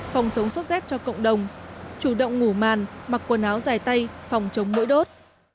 phòng chống sốt z cho cộng đồng chủ động ngủ màn mặc quần áo dài tay phòng chống mũi đốt